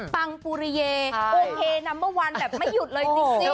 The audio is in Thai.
ปังปุริเยโอเคนัมเบอร์วันแบบไม่หยุดเลยสิโอ้โห